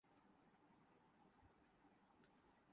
ہماری فوج کوئی چھوٹی فوج نہیں ہے۔